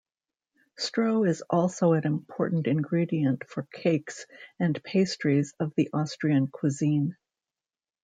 Stroh is also an important ingredient for cakes and pastries of the Austrian cuisine.